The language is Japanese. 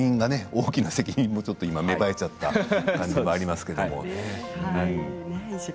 大きな責任が芽生えちゃった感じありますけれど。